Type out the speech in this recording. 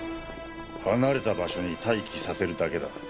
離れた場所に待機させるだけだ。